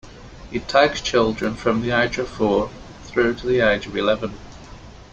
It takes children from the age of four through to the age of eleven.